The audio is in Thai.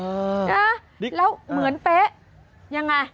อือนะครับแล้วเหมือนเป๊ะยังไง